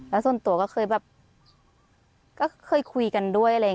และส่วนตัวก็เคยคุยกันด้วย